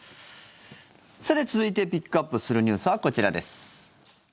さて、続いてピックアップするニュースはこちらです。